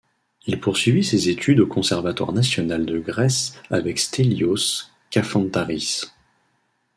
Il poursuivit ses études au Conservatoire national de Grèce avec Stelios Kafantaris.